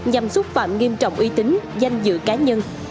nhằm xúc phạm nghiêm trọng uy tín danh dự cá nhân